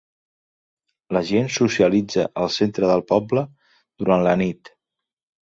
La gent socialitza al centre del poble durant la nit